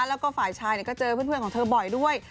แล้วก็ฝ่ายชายก็เจอเพื่อนของเธอบ่อยด้วย